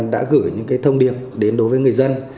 đã gửi những thông điệp đến đối với người dân